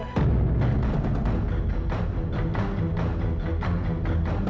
sampai jumpa ya